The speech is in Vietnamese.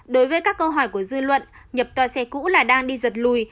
đối với các câu hỏi của dư luận nhập tòa xe cũ là đang đi giật lùi